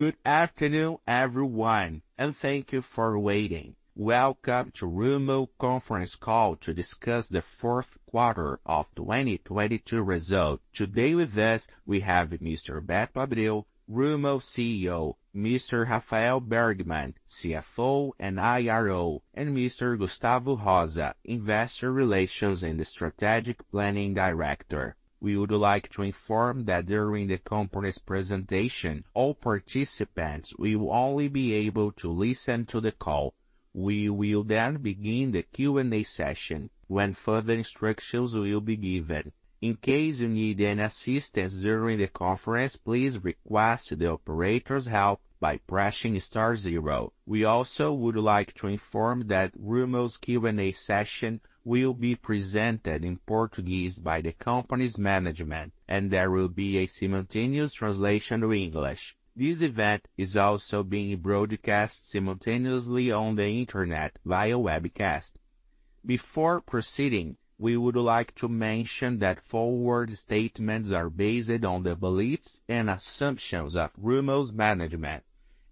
Good afternoon, everyone, and thank you for waiting. Welcome to Rumo Conference Call to discuss the Q4 of 2022 result. Today with us we have Mr. Beto Abreu, Rumo CEO, Mr. Rafael Bergman, CFO and IRO, and Mr. Gustavo Marder, Investor Relations and Strategic Planning Director. We would like to inform that during the company's presentation, all participants will only be able to listen to the call. We will then begin the Q&A session when further instructions will be given. In case you need any assistance during the conference, please request the operator's help by pressing star zero. We also would like to inform that Rumo's Q&A session will be presented in Portuguese by the company's management, and there will be a simultaneous translation to English. This event is also being broadcast simultaneously on the Internet via webcast. Before proceeding, we would like to mention that forward statements are based on the beliefs and assumptions of Rumo's management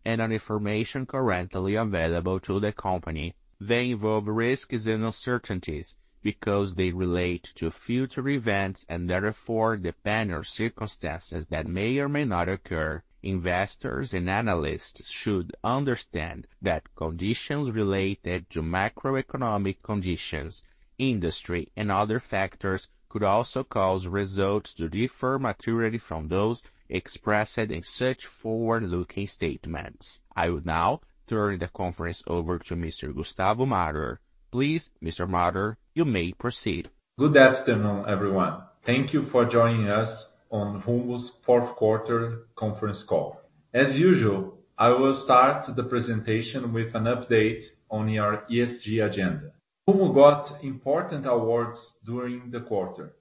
and on information currently available to the company. They involve risks and uncertainties because they relate to future events and therefore depend on circumstances that may or may not occur. Investors and analysts should understand that conditions related to macroeconomic conditions, industry, and other factors could also cause results to differ materially from those expressed in such forward-looking statements. I will now turn the conference over to Mr. Gustavo Madra. Please, Mr. Madra, you may proceed. Good afternoon, everyone. Thank you for joining us on Rumo's Q4 conference call. As usual, I will start the presentation with an update on our ESG agenda. Rumo got important awards during the quarter.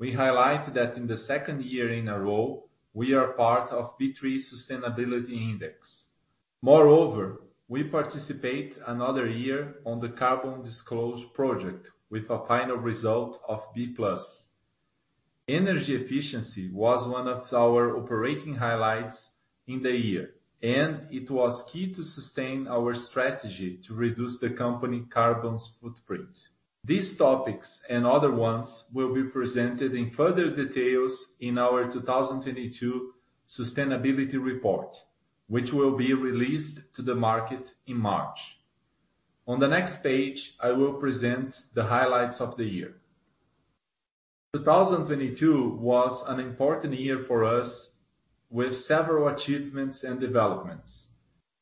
We highlight that in the second year in a row, we are part of B3 Sustainability Index. Moreover, we participate another year on the Carbon Disclosure Project with a final result of B plus. Energy efficiency was one of our operating highlights in the year, and it was key to sustain our strategy to reduce the company carbon's footprint. These topics and other ones will be presented in further details in our 2022 sustainability report, which will be released to the market in March. On the next page, I will present the highlights of the year. 2022 was an important year for us with several achievements and developments.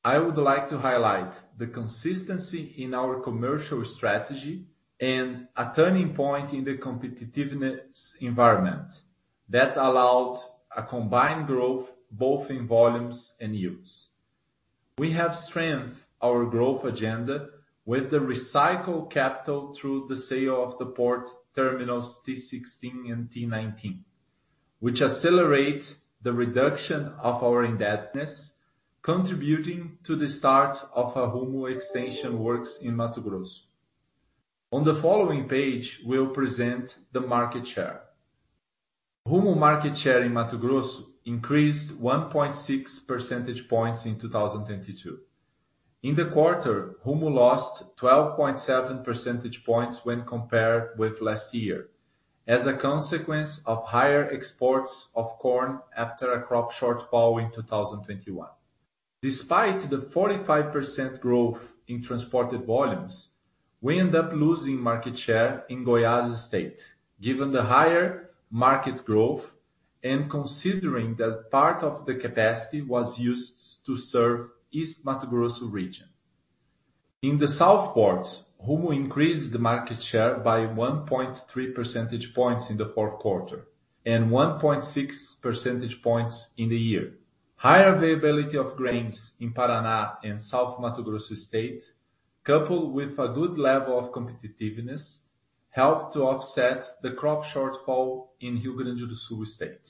I would like to highlight the consistency in our commercial strategy and a turning point in the competitiveness environment that allowed a combined growth both in volumes and yields. We have strengthened our growth agenda with the recycled capital through the sale of the port terminals T16 and T19, which accelerate the reduction of our indebtedness, contributing to the start of a Rumo extension works in Mato Grosso. On the following page, we'll present the market share. Rumo market share in Mato Grosso increased 1.6 percentage points in 2022. In the quarter, Rumo lost 12.7 percentage points when compared with last year as a consequence of higher exports of corn after a crop shortfall in 2021. Despite the 45% growth in transported volumes, we end up losing market share in Goiás state, given the higher market growth and considering that part of the capacity was used to serve East Mato Grosso region. In the south ports, Rumo increased the market share by 1.3 percentage points in the Q4 and 1.6 percentage points in the year. Higher availability of grains in Paraná and South Mato Grosso state, coupled with a good level of competitiveness, helped to offset the crop shortfall in Rio Grande do Sul state.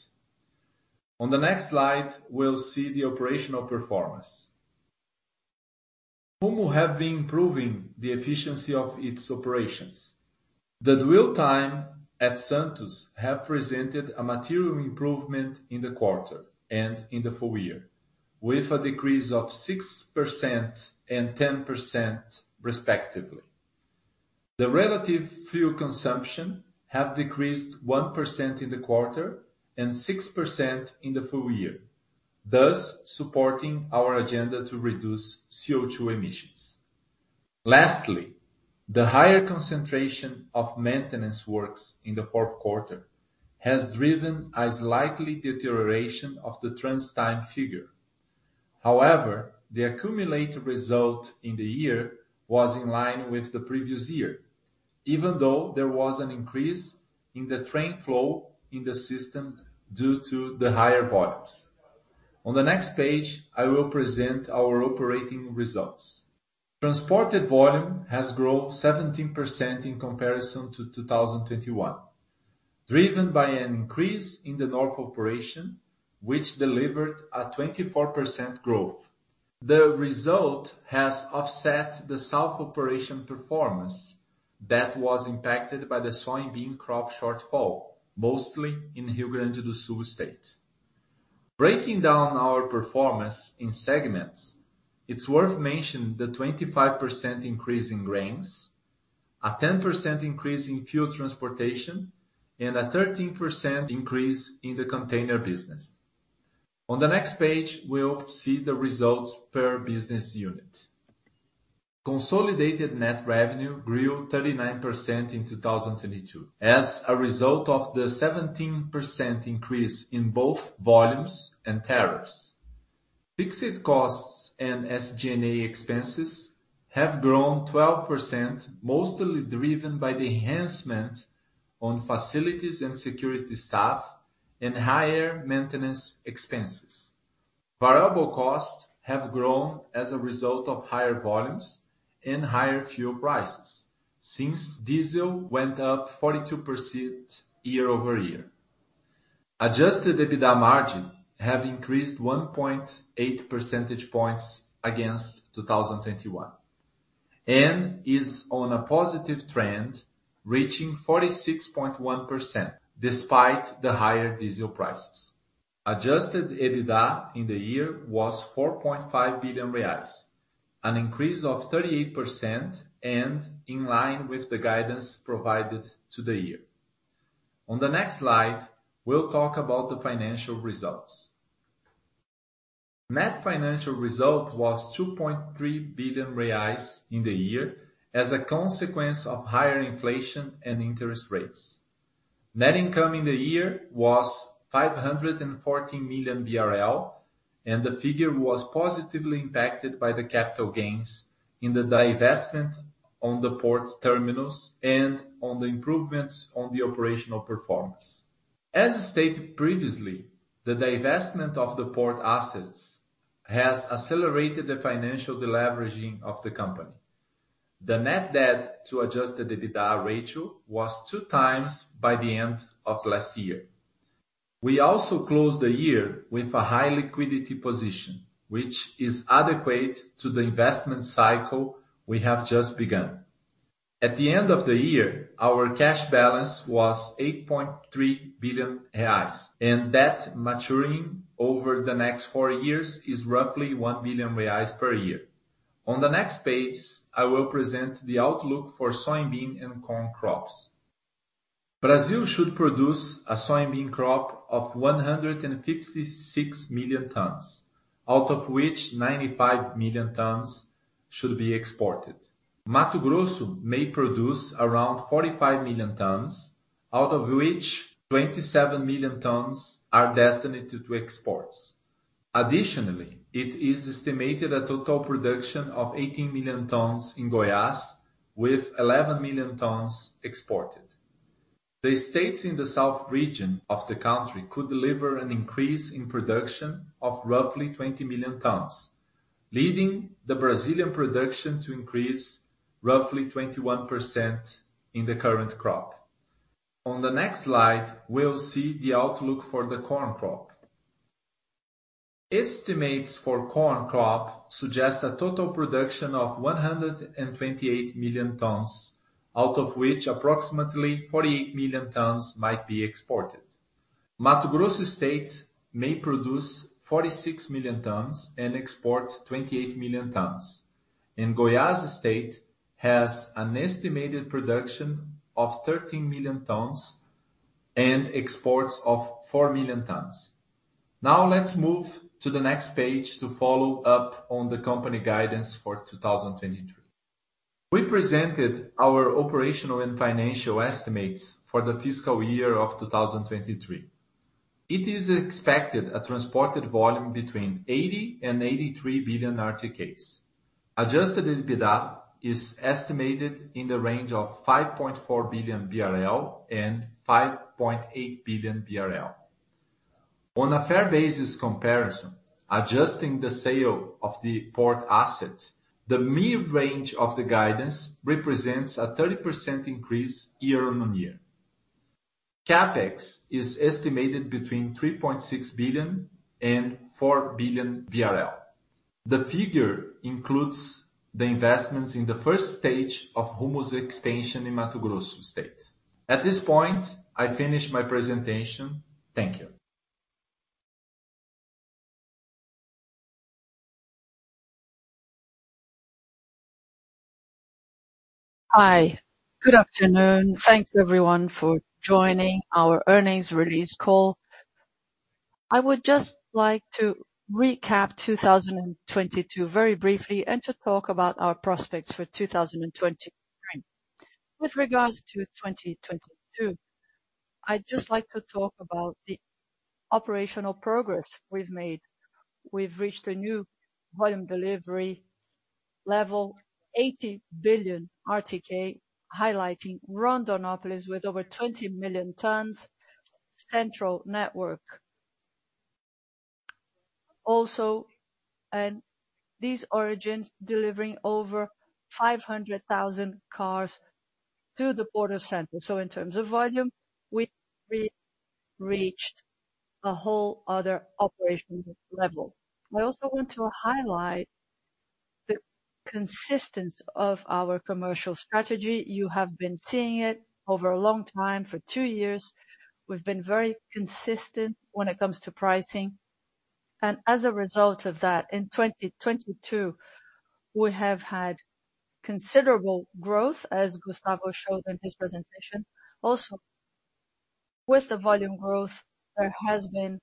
On the next slide, we'll see the operational performance. Rumo have been improving the efficiency of its operations. The dwell time at Santos have presented a material improvement in the quarter and in the full year, with a decrease of 6% and 10% respectively. The relative fuel consumption has decreased 1% in the quarter and 6% in the full year, thus supporting our agenda to reduce CO₂ emissions. Lastly, the higher concentration of maintenance works in the Q4 has driven a slight deterioration of the trans time figure. However, the accumulated result in the year was in line with the previous year, even though there was an increase in the train flow in the system due to the higher volumes. On the next page, I will present our operating results. Transported volume has grown 17% in comparison to 2021, driven by an increase in the North Operation, which delivered a 24% growth. The result has offset the South Operation performance that was impacted by the soybean crop shortfall, mostly in Rio Grande do Sul state. Breaking down our performance in segments, it's worth mentioning the 25% increase in grains, a 10% increase in fuel transportation, and a 13% increase in the container business. On the next page, we'll see the results per business unit. Consolidated net revenue grew 39% in 2022 as a result of the 17% increase in both volumes and tariffs. Fixed costs and SG&A expenses have grown 12%, mostly driven by the enhancement on facilities and security staff and higher maintenance expenses. Variable costs have grown as a result of higher volumes and higher fuel prices since diesel went up 42% year-over-year. Adjusted EBITDA margin have increased 1.8 percentage points against 2021, and is on a positive trend, reaching 46.1% despite the higher diesel prices. Adjusted EBITDA in the year was 4.5 billion reais, an increase of 38%. In line with the guidance provided to the year. On the next slide, we'll talk about the financial results. Net financial result was 2.3 billion reais in the year as a consequence of higher inflation and interest rates. Net income in the year was 514 million BRL. The figure was positively impacted by the capital gains in the divestment on the port terminals and on the improvements on the operational performance. As stated previously, the divestment of the port assets has accelerated the financial deleveraging of the company. The net debt to Adjusted EBITDA ratio was two times by the end of last year. We also closed the year with a high liquidity position, which is adequate to the investment cycle we have just begun. At the end of the year, our cash balance was 8.3 billion reais, debt maturing over the next 4 years is roughly 1 billion reais per year. On the next page, I will present the outlook for soybean and corn crops. Brazil should produce a soybean crop of 156 million tons, out of which 95 million tons should be exported. Mato Grosso may produce around 45 million tons, out of which 27 million tons are destined to exports. Additionally, it is estimated a total production of 18 million tons in Goiás with 11 million tons exported. The states in the south region of the country could deliver an increase in production of roughly 20 million tons, leading the Brazilian production to increase roughly 21% in the current crop. On the next slide, we'll see the outlook for the corn crop. Estimates for corn crop suggest a total production of 128 million tons, out of which approximately 48 million tons might be exported. Mato Grosso state may produce 46 million tons and export 28 million tons, Goiás state has an estimated production of 13 million tons and exports of 4 million tons. Let's move to the next page to follow up on the company guidance for 2023. We presented our operational and financial estimates for the fiscal year of 2023. It is expected a transported volume between 80 billion-83 billion RTKs. Adjusted EBITDA is estimated in the range of 5.4 billion-5.8 billion BRL. On a fair basis comparison, adjusting the sale of the port asset, the mid-range of the guidance represents a 30% increase year-on-year. CapEx is estimated between 3.6 billion and 4 billion BRL. The figure includes the investments in the first stage of Rumo's expansion in Mato Grosso state. At this point, I finish my presentation. Thank you. Hi. Good afternoon. Thanks everyone for joining our earnings release call. I would just like to recap 2022 very briefly and to talk about our prospects for 2023. With regards to 2022, I'd just like to talk about the operational progress we've made. We've reached a new volume delivery level, 80 billion RTK, highlighting Rondonópolis with over 20 million tons, central network also, and these origins delivering over 500,000 cars to the Port of Santos. In terms of volume, we reached a whole other operational level. I also want to highlight the consistency of our commercial strategy. You have been seeing it over a long time. For two years, we've been very consistent when it comes to pricing. As a result of that, in 2022, we have had considerable growth, as Gustavo showed in his presentation. With the volume growth, there has been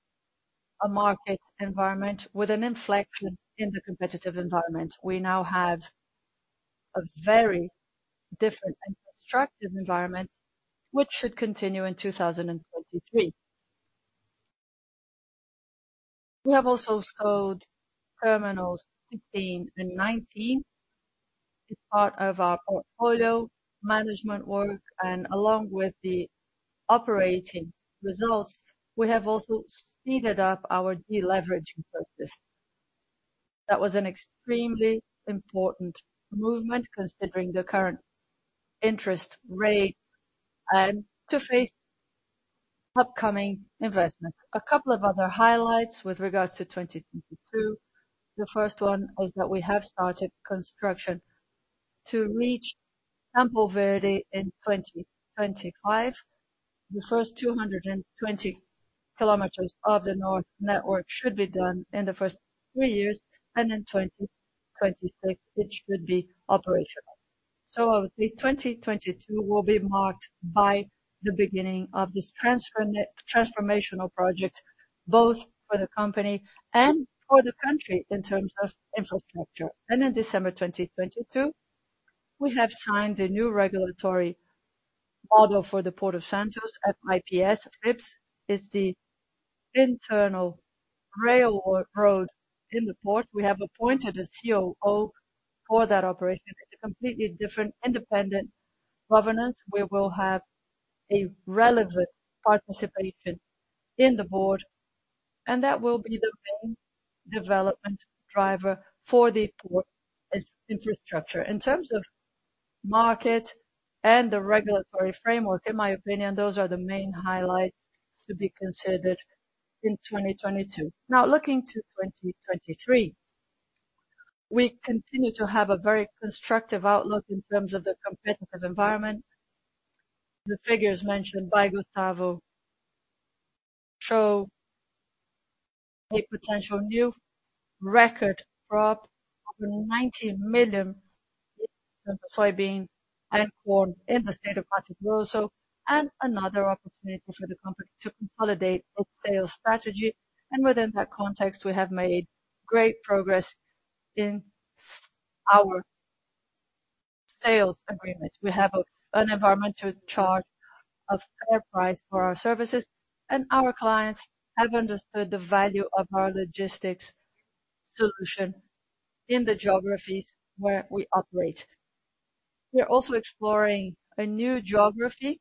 a market environment with an inflection in the competitive environment. We now have a very different and constructive environment which should continue in 2023. We have also sold terminals T16 and T19. It's part of our portfolio management work, and along with the operating results, we have also speeded up our deleveraging process. That was an extremely important movement considering the current interest rate, and to face upcoming investments. A couple of other highlights with regards to 2022. The first one is that we have started construction to reach Campo Verde in 2025. The first 220 kilometers of the north network should be done in the first 3 years, and in 2026, it should be operational. Obviously, 2022 will be marked by the beginning of this transformational project, both for the company and for the country in terms of infrastructure. In December 2022, we have signed the new regulatory model for the Port of Santos at IPS. FIPS is the internal railroad in the port. We have appointed a COO for that operation. It's a completely different independent governance, where we'll have a relevant participation in the board. That will be the main development driver for the port as infrastructure. In terms of market and the regulatory framework, in my opinion, those are the main highlights to be considered in 2022. Looking to 2023, we continue to have a very constructive outlook in terms of the competitive environment. The figures mentioned by Gustavo show a potential new record crop of 90 million in soybean and corn in the state of Mato Grosso, and another opportunity for the company to consolidate its sales strategy. Within that context, we have made great progress in our sales agreements. We have an environment to charge a fair price for our services, and our clients have understood the value of our logistics solution in the geographies where we operate. We are also exploring a new geography,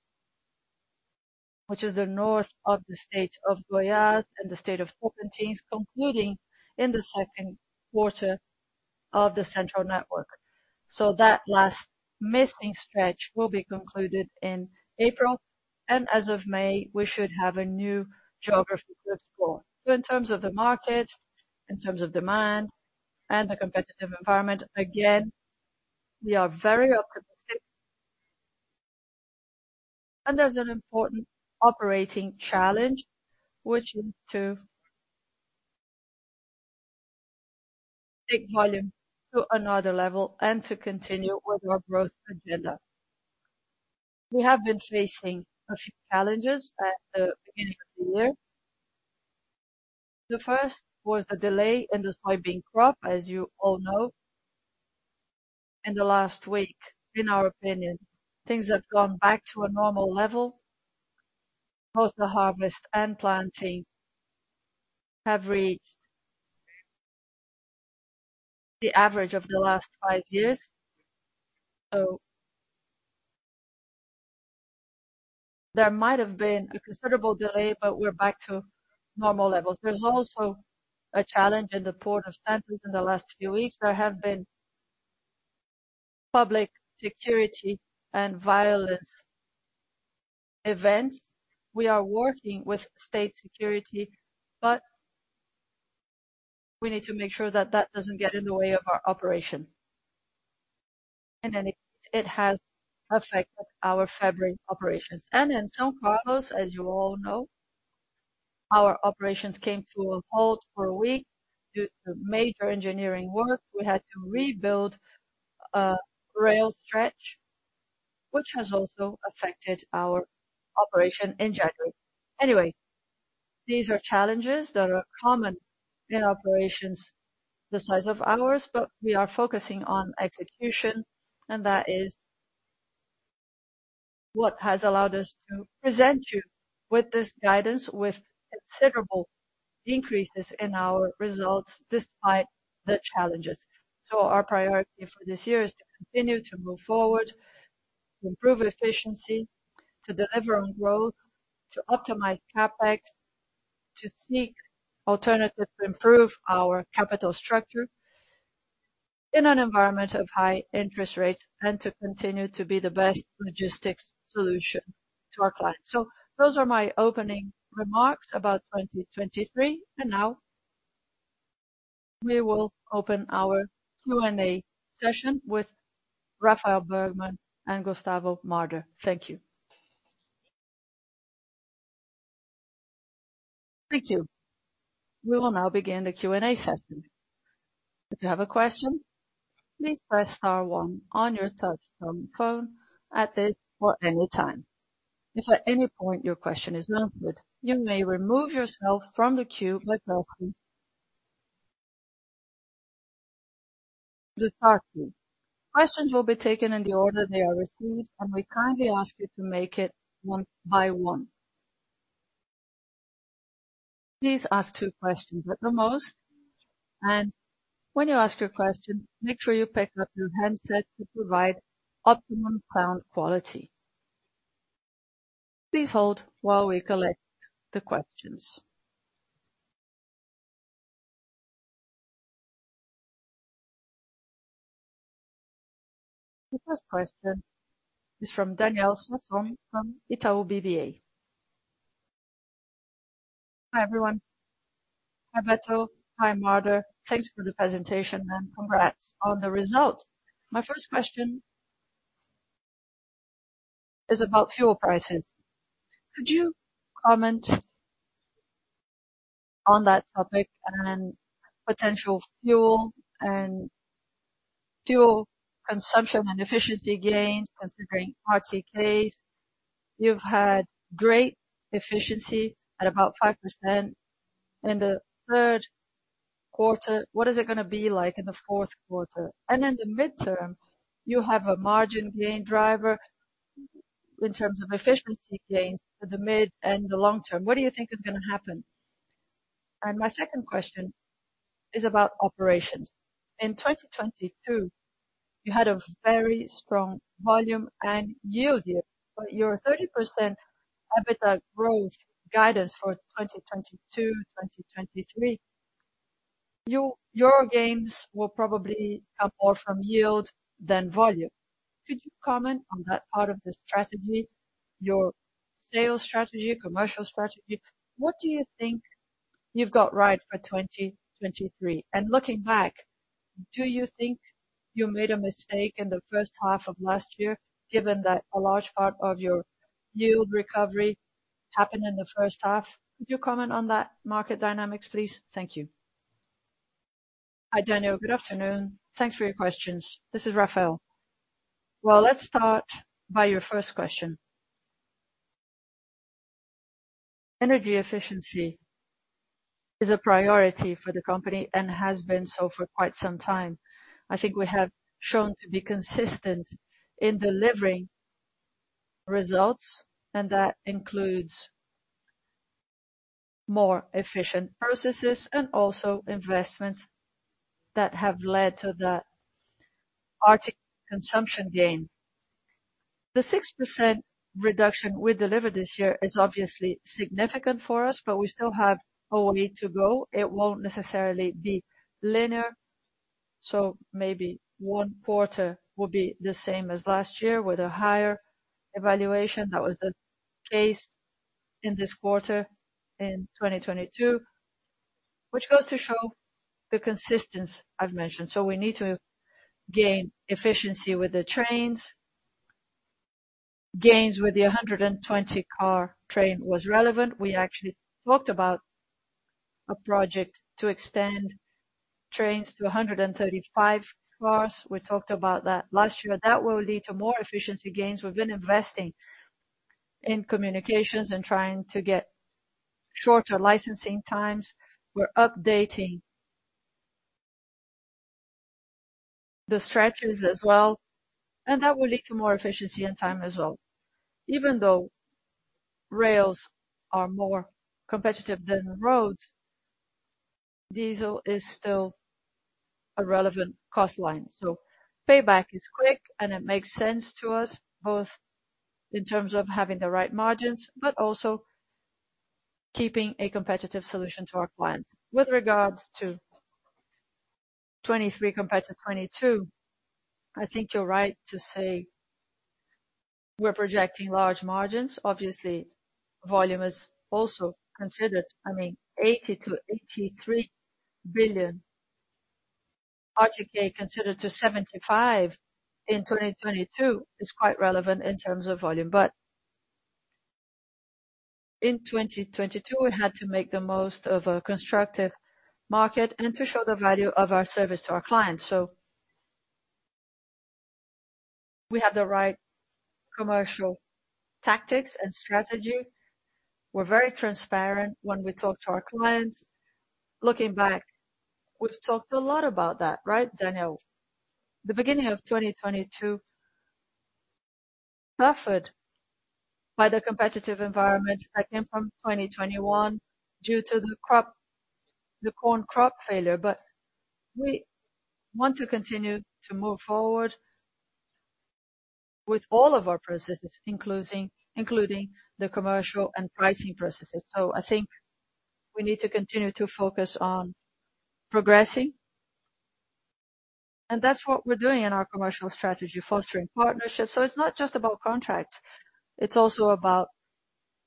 which is the north of the state of Goiás and the state of Tocantins, concluding in the Q2 of the central network. That last missing stretch will be concluded in April. As of May, we should have a new geography to explore. In terms of the market, in terms of demand and the competitive environment, again, we are very optimistic. There's an important operating challenge, which is to take volume to another level and to continue with our growth agenda. We have been facing a few challenges at the beginning of the year. The first was the delay in the soybean crop, as you all know. In the last week, in our opinion, things have gone back to a normal level. Both the harvest and planting have reached the average of the last five years. There might have been a considerable delay, but we're back to normal levels. There's also a challenge in the Port of Santos in the last few weeks. There have been public security and violence events. We are working with state security, but we need to make sure that that doesn't get in the way of our operation. In any case, it has affected our February operations. In São Carlos, as you all know, our operations came to a halt for a week due to major engineering work. We had to rebuild a rail stretch, which has also affected our operation in January. These are challenges that are common in operations the size of ours, but we are focusing on execution, and that is what has allowed us to present you with this guidance, with considerable increases in our results despite the challenges. Our priority for this year is to continue to move forward, improve efficiency, to deliver on growth, to optimize CapEx, to seek alternative to improve our capital structure in an environment of high interest rates and to continue to be the best logistics solution to our clients. Those are my opening remarks about 2023. Now we will open our Q&A session with Rafael Bergman and Gustavo Marder. Thank you. Thank you. We will now begin the Q&A session. If you have a question, please press star one on your touch phone at this or any time. If at any point your question is not good, you may remove yourself from the queue by pressing the star key. Questions will be taken in the order they are received, and we kindly ask you to make it one by one. Please ask two questions at the most, and when you ask your question, make sure you pick up your handset to provide optimum sound quality. Please hold while we collect the questions. The first question is from Daniel Sasson from Itaú BBA. Hi, everyone. Hi, Beto. Hi, Marder. Thanks for the presentation and congrats on the results. My first question is about fuel prices. Could you comment on that topic and potential fuel and fuel consumption and efficiency gains considering RTKs? You've had great efficiency at about 5% in the Q3. What is it going to be like in the Q4? In the midterm, you have a margin gain driver in terms of efficiency gains for the mid and the long term, what do you think is going to happen? My second question is about operations. In 2022, you had a very strong volume and yield year. For your 30% EBITDA growth guidance for 2022/2023, your gains will probably come more from yield than volume. Could you comment on that part of the strategy, your sales strategy, commercial strategy? What do you think you've got right for 2023? Looking back, do you think you made a mistake in the first half of last year, given that a large part of your yield recovery happened in the first half? Could you comment on that market dynamics, please? Thank you. Hi, Daniel. Good afternoon. Thanks for your questions. This is Rafael. Let's start by your first question. Energy efficiency is a priority for the company and has been so for quite some time. I think we have shown to be consistent in delivering results, and that includes more efficient processes and also investments that have led to that RTK consumption gain. The 6% reduction we delivered this year is obviously significant for us, but we still have a way to go. It won't necessarily be linear, so maybe one quarter will be the same as last year with a higher evaluation. That was the case in this quarter in 2022, which goes to show the consistency I've mentioned. We need to gain efficiency with the trains. Gains with the 120 car train was relevant. We actually talked about a project to extend trains to 135 cars. We talked about that last year. That will lead to more efficiency gains. We've been investing in communications and trying to get shorter licensing times. We're updating the stretches as well, and that will lead to more efficiency and time as well. Even though rails are more competitive than roads, diesel is still a relevant cost line. Payback is quick and it makes sense to us both in terms of having the right margins, but also keeping a competitive solution to our clients. With regards to 2023 compared to 2022, I think you're right to say we're projecting large margins. Obviously, volume is also considered. I mean, 80 billion-83 billion RTK considered to 75 in 2022 is quite relevant in terms of volume. In 2022, we had to make the most of a constructive market and to show the value of our service to our clients. We have the right commercial tactics and strategy. We're very transparent when we talk to our clients. Looking back, we've talked a lot about that, right, Daniel? The beginning of 2022 suffered by the competitive environment that came from 2021 due to the corn crop failure. We want to continue to move forward. With all of our processes, including the commercial and pricing processes. I think we need to continue to focus on progressing, and that's what we're doing in our commercial strategy, fostering partnerships. It's not just about contracts, it's also about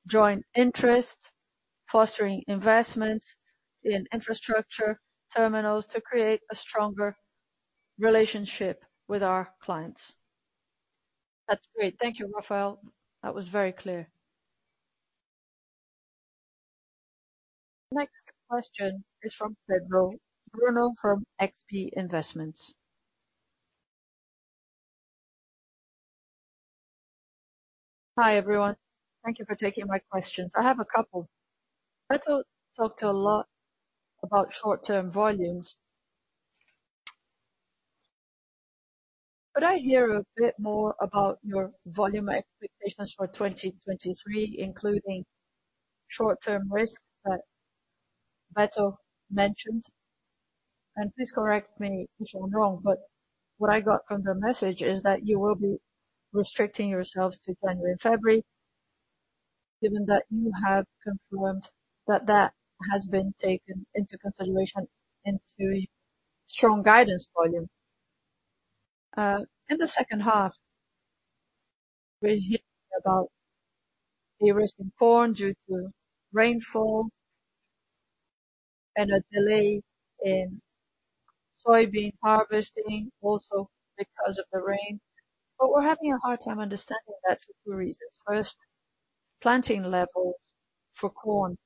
joint interests, fostering investments in infrastructure terminals to create a stronger relationship with our clients. That's great. Thank you, Rafael. That was very clear. Next question is from Pedro Bruno from XP Investimentos. Hi, everyone. Thank you for taking my questions. I have a couple. Beto talked a lot about short-term volumes. Could I hear a bit more about your volume expectations for 2023, including short-term risk that Beto mentioned? Please correct me if I'm wrong, but what I got from the message is that you will be restricting yourselves to January and February, given that you have confirmed that that has been taken into consideration into a strong guidance volume. In the second half, we're hearing about the risk in corn due to rainfall and a delay in soybean harvesting also because of the rain. We're having a hard time understanding that for two reasons. First, planting levels for corn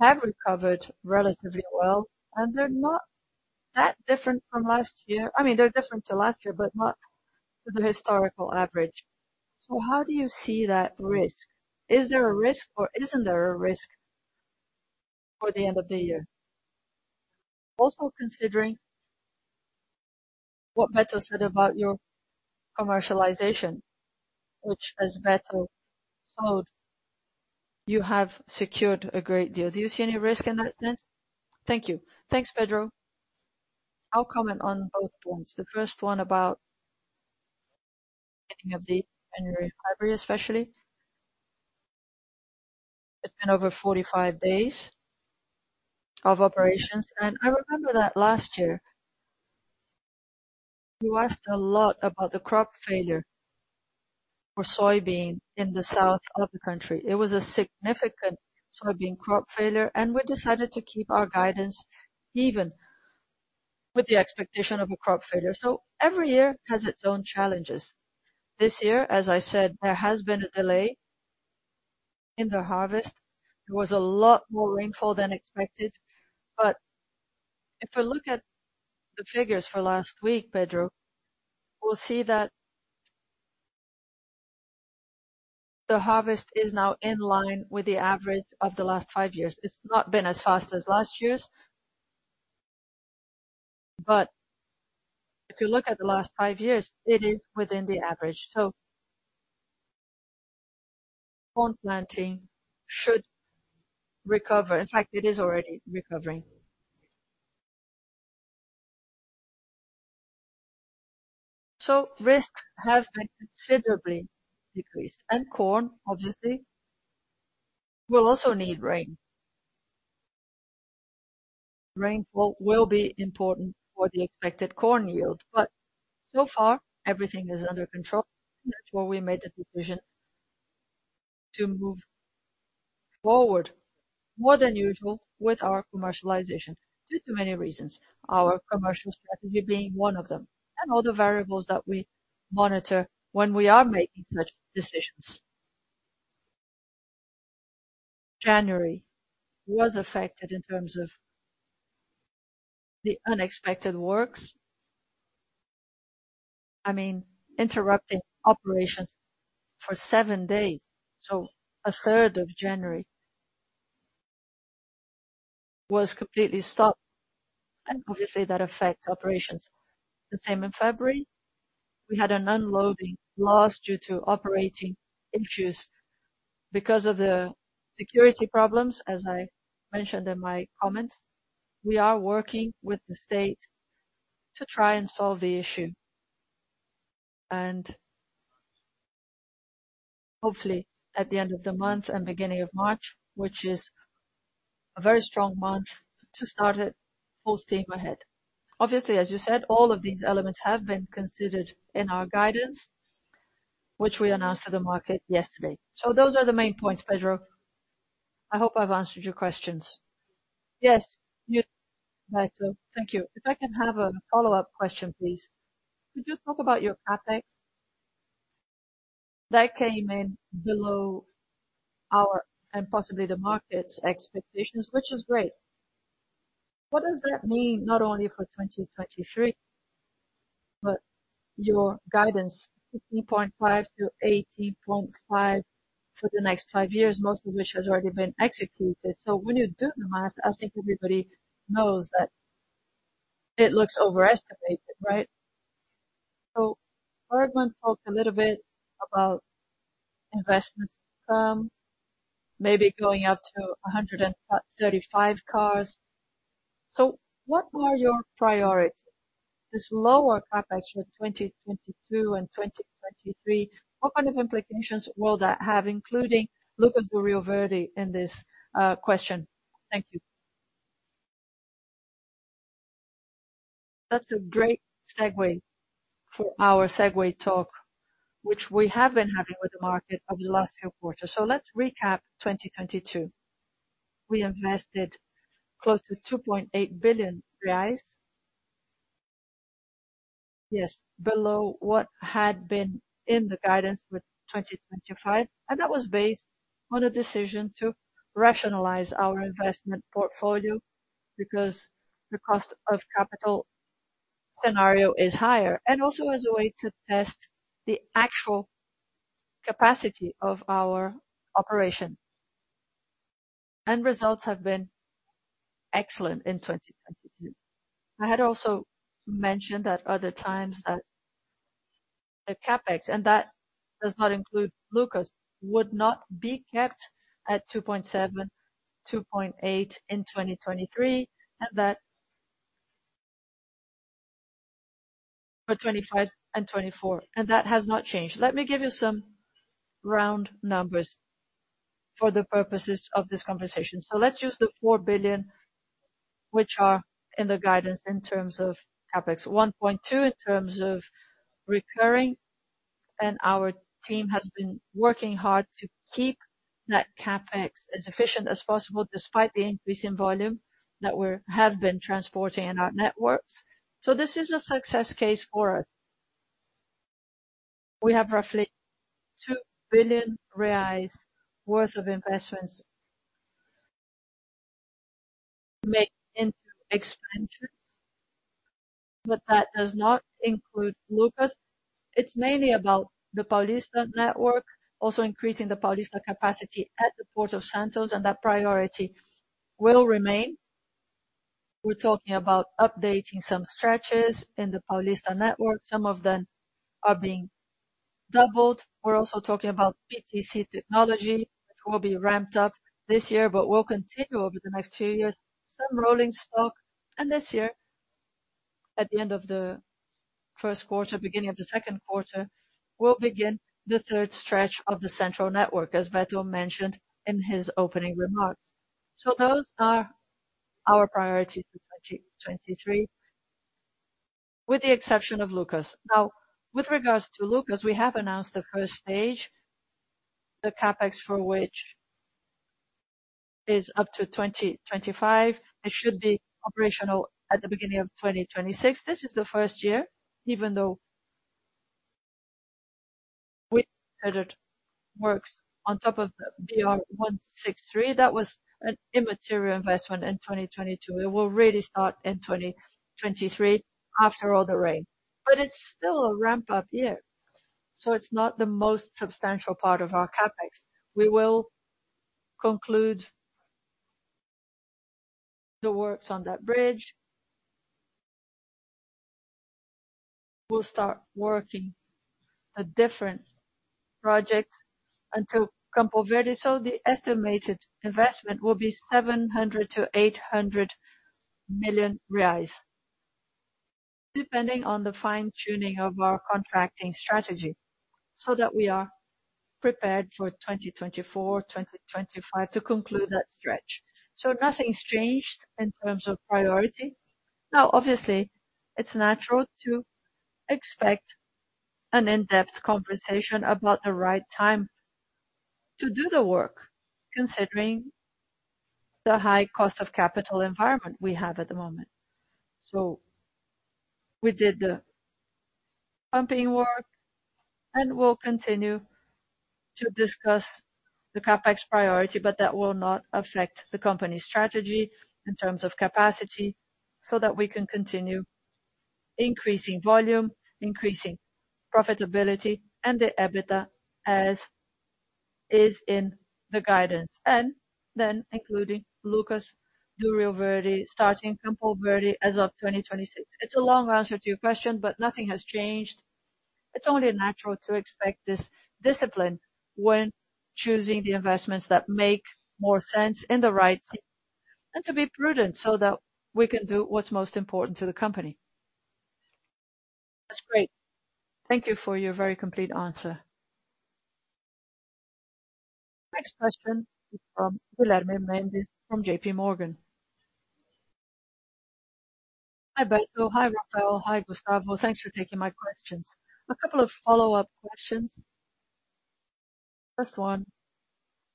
have recovered relatively well, and they're not that different from last year. I mean, they're different to last year, but not to the historical average. How do you see that risk? Is there a risk or isn't there a risk for the end of the year? Also considering what Beto said about your commercialization, which as Beto showed, you have secured a great deal. Do you see any risk in that sense? Thank you. Thanks, Pedro. I'll comment on both points. The first one about beginning of the January, February, especially. It's been over 45 days of operations. I remember that last year, you asked a lot about the crop failure for soybean in the south of the country. It was a significant soybean crop failure, and we decided to keep our guidance even with the expectation of a crop failure. Every year has its own challenges. This year, as I said, there has been a delay in the harvest. There was a lot more rainfall than expected. If we look at the figures for last week, Pedro, we'll see that the harvest is now in line with the average of the last five years. It's not been as fast as last year's, but if you look at the last five years, it is within the average. Corn planting should recover. In fact, it is already recovering. Risks have been considerably decreased. Corn, obviously, will also need rain. Rainfall will be important for the expected corn yield, but so far everything is under control. That's why we made the decision to move forward more than usual with our commercialization due to many reasons, our commercial strategy being one of them, and all the variables that we monitor when we are making such decisions. January was affected in terms of the unexpected works. I mean, interrupting operations for 7 days, so a third of January was completely stopped, and obviously that affects operations. The same in February. We had an unloading loss due to operating issues because of the security problems, as I mentioned in my comments. We are working with the state to try and solve the issue. Hopefully at the end of the month and beginning of March, which is a very strong month to start it, full steam ahead. Obviously, as you said, all of these elements have been considered in our guidance, which we announced to the market yesterday. Those are the main points, Pedro. I hope I've answered your questions. Yes. You Beto. Thank you. If I can have a follow-up question, please. Could you talk about your CapEx? That came in below our, and possibly the market's expectations, which is great. What does that mean not only for 2023, but your guidance, 16.5 billion-18.5 billion for the next five years, most of which has already been executed. When you do the math, I think everybody knows that it looks overestimated, right? Bergman talked a little bit about investments from maybe going up to 135 cars. What are your priorities? This lower CapEx for 2022 and 2023, what kind of implications will that have, including Lucas do Rio Verde in this question? Thank you. That's a great segue for our segue talk, which we have been having with the market over the last few quarters. Let's recap 2022. We invested close to 2.8 billion reais. Below what had been in the guidance with 2025, that was based on a decision to rationalize our investment portfolio because the cost of capital scenario is higher, also as a way to test the actual capacity of our operation. End results have been excellent in 2022. I had also mentioned at other times that the CapEx, that does not include Lucas, would not be kept at 2.7 billion, 2.8 billion in 2023. For 2025 and 2024, that has not changed. Let me give you some round numbers for the purposes of this conversation. Let's use the 4 billion which are in the guidance in terms of CapEx. 1.2 in terms of recurring, our team has been working hard to keep that CapEx as efficient as possible, despite the increase in volume that we have been transporting in our networks. This is a success case for us. We have roughly 2 billion reais worth of investments made into expansions, but that does not include Lucas. It's mainly about the Paulista network, also increasing the Paulista capacity at the Port of Santos, and that priority will remain. We're talking about updating some stretches in the Paulista network. Some of them are being doubled. We're also talking about PTC technology, which will be ramped up this year, but will continue over the next 2 years. Some rolling stock. This year, at the end of the Q1, beginning of the Q2, we'll begin the third stretch of the central network, as Beto mentioned in his opening remarks. Those are our priorities for 2023, with the exception of Lucas. With regards to Lucas, we have announced the first stage, the CapEx for which is up to 2025. It should be operational at the beginning of 2026. This is the first year. Even though we started works on top of the BR-163, that was an immaterial investment in 2022. It will really start in 2023 after all the rain. It's still a ramp-up year, so it's not the most substantial part of our CapEx. We will conclude the works on that bridge. We'll start working the different projects until Campo Verde. The estimated investment will be 700 million-800 million reais, depending on the fine-tuning of our contracting strategy, so that we are prepared for 2024, 2025 to conclude that stretch. Nothing's changed in terms of priority. Now, obviously, it's natural to expect an in-depth conversation about the right time to do the work, considering the high cost of capital environment we have at the moment. We did the pumping work, and we'll continue to discuss the CapEx priority, but that will not affect the company's strategy in terms of capacity, so that we can continue increasing volume, increasing profitability, and the EBITDA as is in the guidance. Including Lucas do Rio Verde, starting Campo Verde as of 2026. It's a long answer to your question, but nothing has changed. It's only natural to expect this discipline when choosing the investments that make more sense and to be prudent so that we can do what's most important to the company. That's great. Thank you for your very complete answer. Next question is from Guilherme Mendes from J.P. Morgan. Hi, Beto. Hi, Rafael. Hi, Gustavo. Thanks for taking my questions. A couple of follow-up questions. First one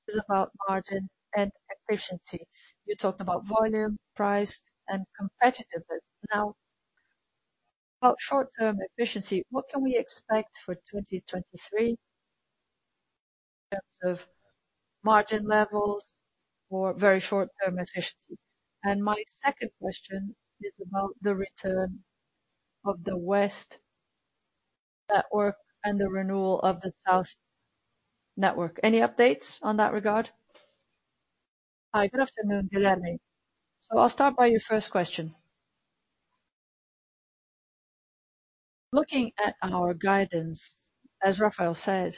is about margin and efficiency. You talked about volume, price, and competitiveness. Now, about short-term efficiency, what can we expect for 2023 in terms of margin levels or very short-term efficiency? My second question is about the return of the west network and the renewal of the south network. Any updates on that regard? Hi, good afternoon, Guilherme. I'll start by your first question. Looking at our guidance, as Rafael said,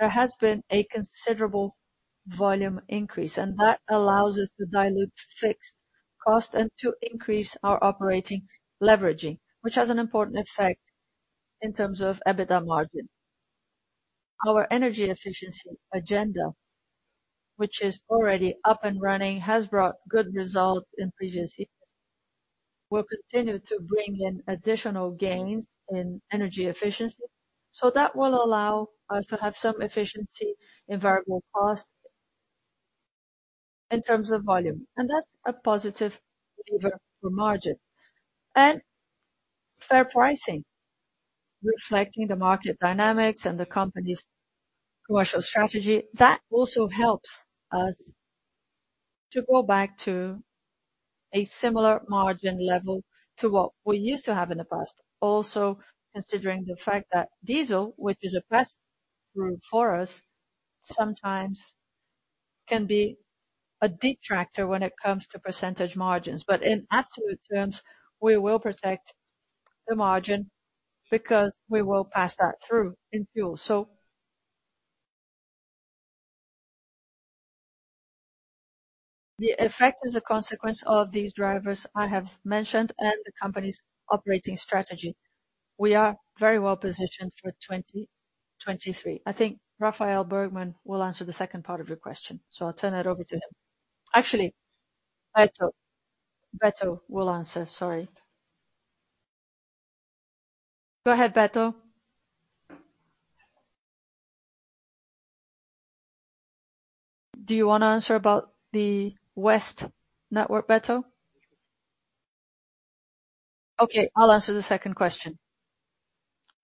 there has been a considerable volume increase, and that allows us to dilute fixed cost and to increase our operating leveraging, which has an important effect in terms of EBITDA margin. Our energy efficiency agenda, which is already up and running, has brought good results in previous years. We'll continue to bring in additional gains in energy efficiency. That will allow us to have some efficiency in variable costs in terms of volume. That's a positive lever for margin. Fair pricing, reflecting the market dynamics and the company's commercial strategy, that also helps us to go back to a similar margin level to what we used to have in the past. Also considering the fact that diesel, which is a press room for us, sometimes can be a detractor when it comes to % margins. In absolute terms, we will protect the margin because we will pass that through in fuel. The effect is a consequence of these drivers I have mentioned and the company's operating strategy. We are very well-positioned for 2023. I think Rafael Bergmann will answer the second part of your question, so I'll turn that over to him. Actually, Beto. will answer. Sorry. Go ahead, Beto. Do you want to answer about the West Network, Beto? Okay, I'll answer the second question.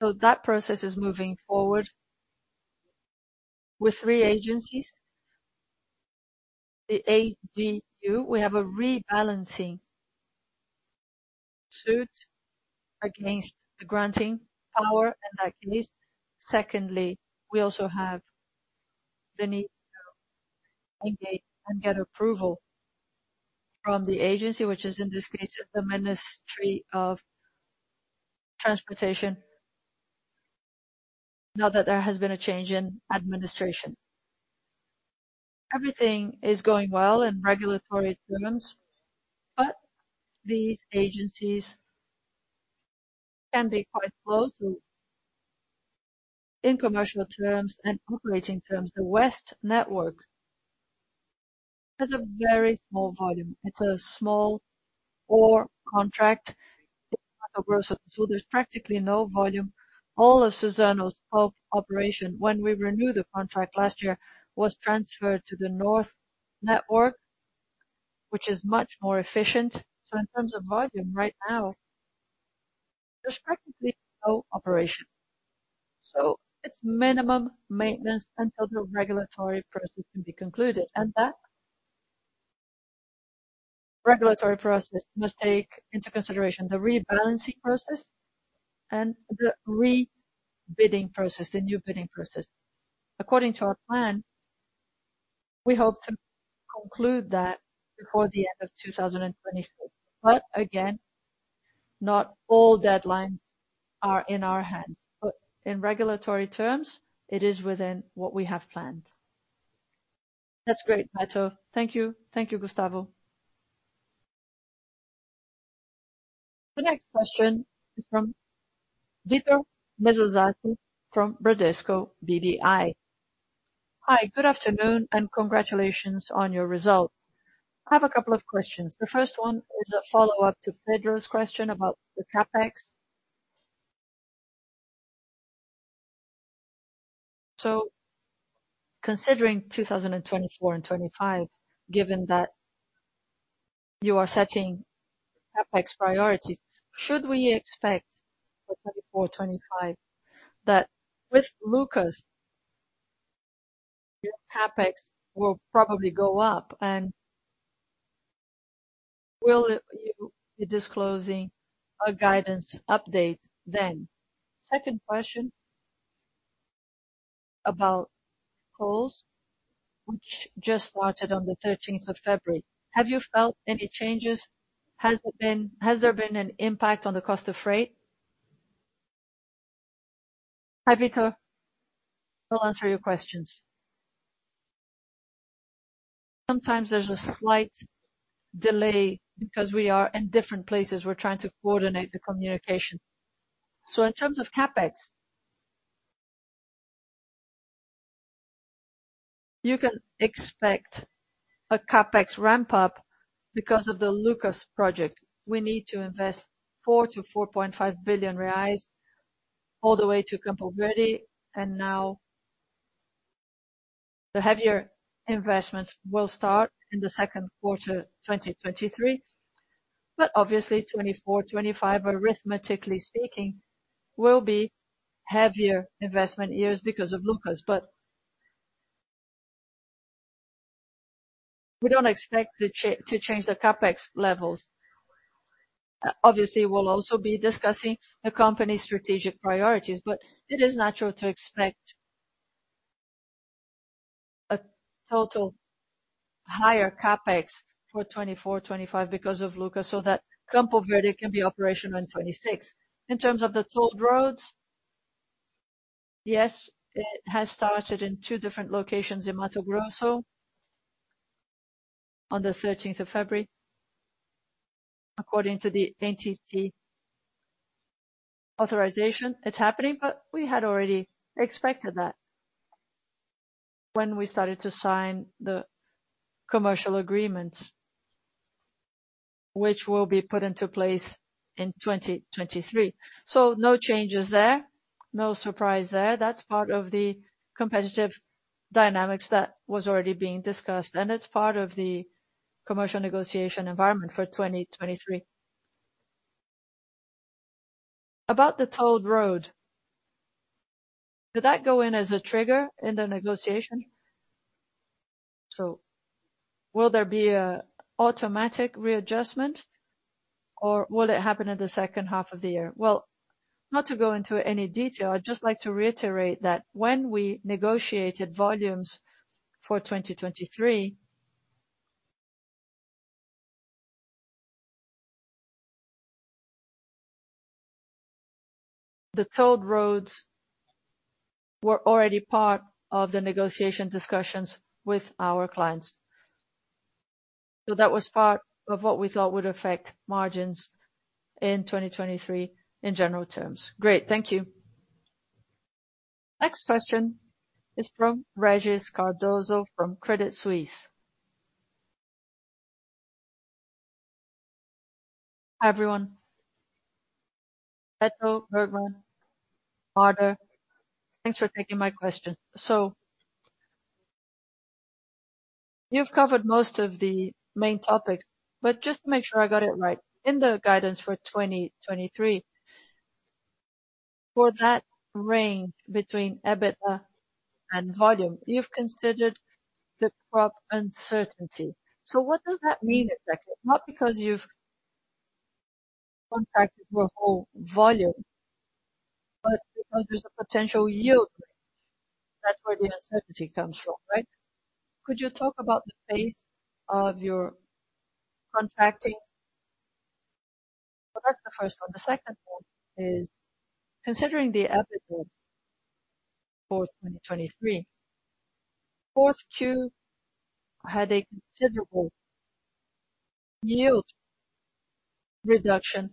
That process is moving forward with three agencies. The AGU, we have a rebalancing suit against the granting power and that list. Secondly, we also have the need to engage and get approval from the agency, which, in this case, is the Ministry of Transport, now that there has been a change in administration. Everything is going well in regulatory terms, these agencies can be quite slow to. In commercial terms and operating terms, the West Network has a very small volume. It's a small ore contract. There's practically no volume. All of Suzano's pulp operation, when we renewed the contract last year, was transferred to the North Network, which is much more efficient. In terms of volume right now, there's practically no operation. It's minimum maintenance until the regulatory process can be concluded. That regulatory process must take into consideration the rebalancing process and the re-bidding process, the new bidding process. According to our plan, we hope to conclude that before the end of 2024. Again, not all deadlines are in our hands. In regulatory terms, it is within what we have planned. That's great, Beto. Thank you. Thank you, Gustavo. The next question is from Victor Mizusaki from Bradesco BBI. Hi, good afternoon and congratulations on your results. I have a couple of questions. The first one is a follow-up to Pedro's question about the CapEx. Considering 2024 and 25, given that you are setting CapEx priorities, should we expect for 24, 25 that with Lucas, your CapEx will probably go up? Will you be disclosing a guidance update then? Second question about calls, which just started on the 13th of February. Have you felt any changes? Has there been an impact on the cost of freight? Hi, Victor. I'll answer your questions. Sometimes there's a slight delay because we are in different places. We're trying to coordinate the communication. In terms of CapEx, you can expect a CapEx ramp-up because of the Lucas project. We need to invest 4 billion-4.5 billion reais all the way to Campo Verde, and now the heavier investments will start in 2Q 2023. Obviously, 2024, 2025, arithmetically speaking, will be heavier investment years because of Lucas. We don't expect to change the CapEx levels. Obviously, we'll also be discussing the company's strategic priorities, but it is natural to expect a total higher CapEx for 2024, 2025 because of Lucas. That Campo Verde can be operational in 2026. In terms of the tolled roads, yes, it has started in 2 different locations in Mato Grosso on the 13th of February. According to the ANTT authorization, it's happening, we had already expected that when we started to sign the commercial agreements, which will be put into place in 2023. No changes there. No surprise there. That's part of the competitive dynamics that was already being discussed, and it's part of the commercial negotiation environment for 2023. About the tolled road, did that go in as a trigger in the negotiation? Will there be a automatic readjustment or will it happen in the second half of the year? Not to go into any detail, I'd just like to reiterate that when we negotiated volumes for 2023, the tolled roads were already part of the negotiation discussions with our clients. That was part of what we thought would affect margins in 2023 in general terms. Great. Thank you. Next question is from Regis Cardoso from Credit Suisse. Hi, everyone. Beto, Bergman, Marder, thanks for taking my question. You've covered most of the main topics, but just to make sure I got it right. In the guidance for 2023, for that range between EBITDA and volume, you've considered the crop uncertainty. What does that mean exactly? Not because you've contracted your whole volume, but because there's a potential yield range. That's where the uncertainty comes from, right? Could you talk about the pace of your contracting? That's the first one. The second one is considering the EBITDA for 2023. Fourth Q had a considerable yield reduction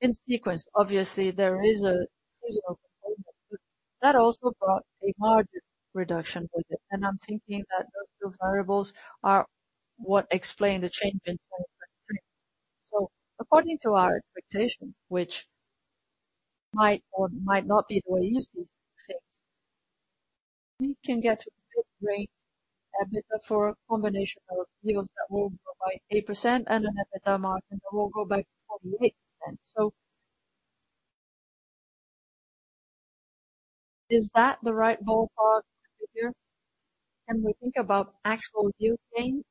in sequence. Obviously, there is a seasonal component, but that also brought a margin reduction with it. I'm thinking that those two variables are what explain the change in 2023. According to our expectation, which might or might not be the way you see things, we can get a mid-range EBITDA for a combination of yields that will go by 8% and an EBITDA margin that will go back to 48%. Is that the right ballpark figure? Can we think about actual yield gain?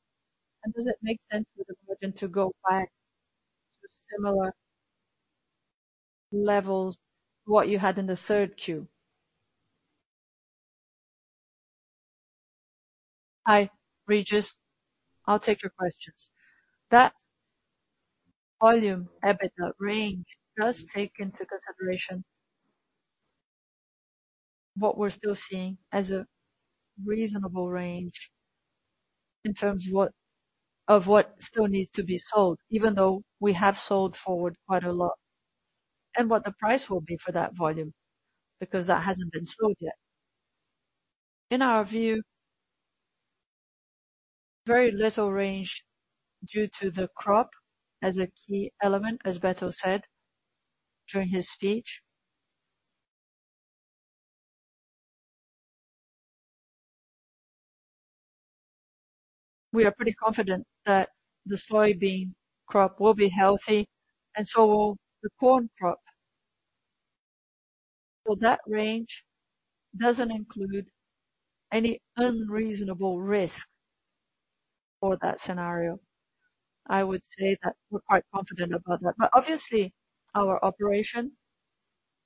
Does it make sense for the margin to go back to similar levels to what you had in the 3Q? Hi, Regis. I'll take your questions. That volume EBITDA range does take into consideration what we're still seeing as a reasonable range in terms of what still needs to be sold, even though we have sold forward quite a lot, and what the price will be for that volume, because that hasn't been sold yet. In our view, very little range due to the crop as a key element, as Beto said during his speech. We are pretty confident that the soybean crop will be healthy, and so will the corn crop. That range doesn't include any unreasonable risk for that scenario. I would say that we're quite confident about that. Obviously, our operation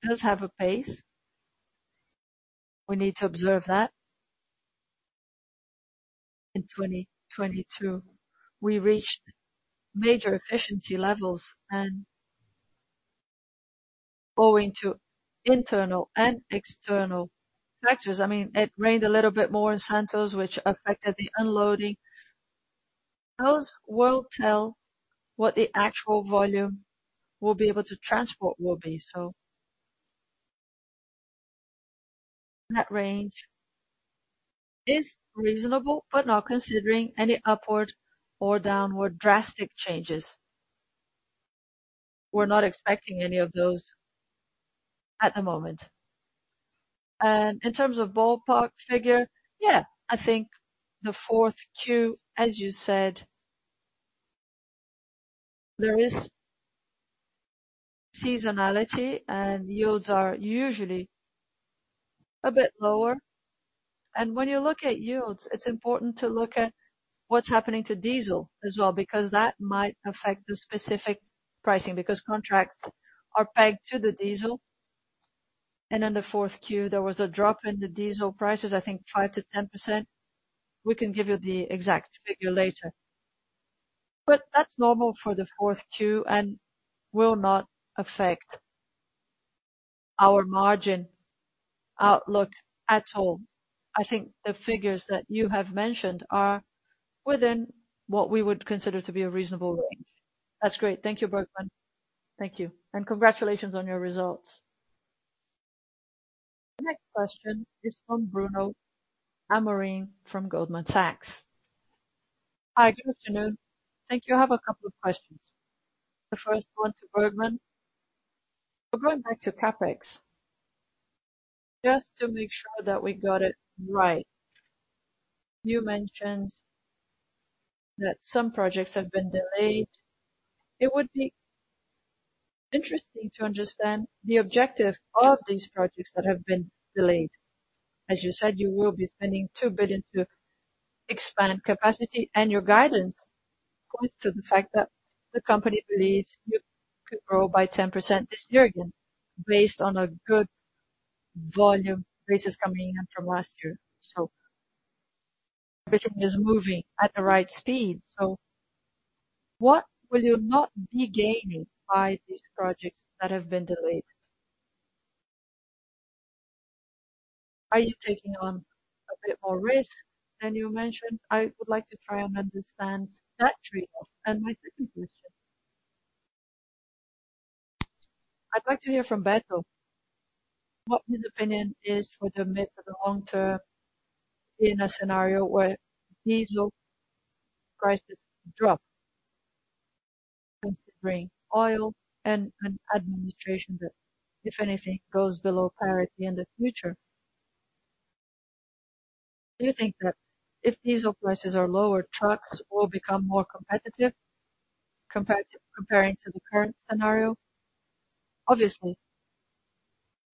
does have a pace. We need to observe that. In 2022, we reached major efficiency levels and owing to internal and external factors. I mean, it rained a little bit more in Santos, which affected the unloading. Those will tell what the actual volume we'll be able to transport will be. That range is reasonable, but not considering any upward or downward drastic changes. We're not expecting any of those at the moment. In terms of ballpark figure, yeah, I think the fourth Q, as you said, there is seasonality and yields are usually a bit lower. When you look at yields, it's important to look at what's happening to diesel as well, because that might affect the specific pricing because contracts are pegged to the diesel. In the fourth Q, there was a drop in the diesel prices, I think 5%-10%. We can give you the exact figure later. That's normal for the fourth Q and will not affect our margin outlook at all. I think the figures that you have mentioned are within what we would consider to be a reasonable range. That's great. Thank you, Bergman. Thank you. Congratulations on your results. The next question is from Bruno Amorim from Goldman Sachs. Hi, good afternoon. Thank you. I have a couple of questions. The first one to Bergman. We're going back to CapEx. Just to make sure that we got it right, you mentioned that some projects have been delayed. It would be interesting to understand the objective of these projects that have been delayed. As you said, you will be spending 2 billion to expand capacity, and your guidance points to the fact that the company believes you could grow by 10% this year again based on a good volume basis coming in from last year. Everything is moving at the right speed. What will you not be gaining by these projects that have been delayed? Are you taking on a bit more risk than you mentioned? I would like to try and understand that trade-off. My second question, I'd like to hear from Beto, what his opinion is for the mid to the long term in a scenario where diesel prices drop considering oil and an administration that, if anything, goes below parity in the future. Do you think that if diesel prices are lower, trucks will become more competitive compared to the current scenario? Obviously,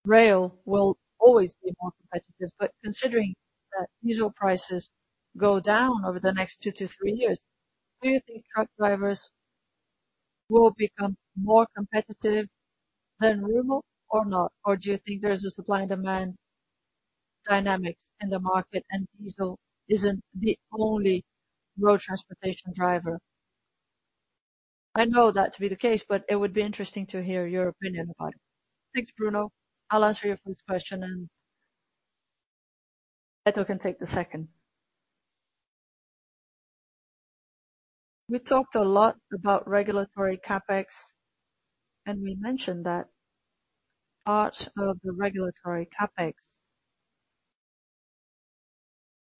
rail will always be more competitive, but considering that diesel prices go down over the next 2-3 years, do you think truck drivers will become more competitive than Rumo or not? Or do you think there's a supply and demand dynamics in the market and diesel isn't the only road transportation driver? I know that to be the case, but it would be interesting to hear your opinion about it. Thanks, Bruno. I'll answer your first question, and Beto can take the second. We talked a lot about regulatory CapEx, and we mentioned that part of the regulatory CapEx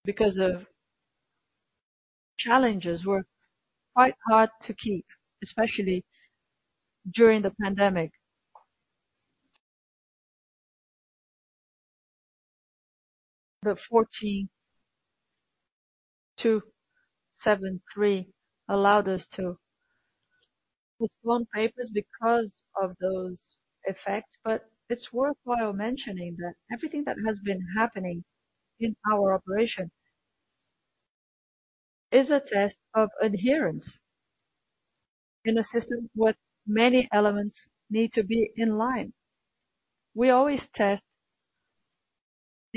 because of challenges were quite hard to keep, especially during the pandemic. The 14,273 allowed us to postpone papers because of those effects. It's worthwhile mentioning that everything that has been happening in our operation is a test of adherence in a system where many elements need to be in line. We always test